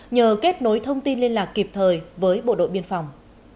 nhờ kết nối thông tin liên lạc kịp thời với bộ đội biên phòng